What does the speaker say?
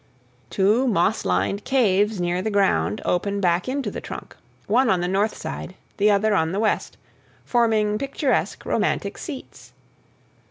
Two moss lined caves near the ground open back into the trunk, one on the north side, the other on the west, forming picturesque, romantic seats.